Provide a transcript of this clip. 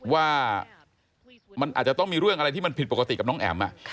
ว่ามันอาจจะต้องมีเรื่องอะไรที่มันผิดปกติกับน้องแอ๋ม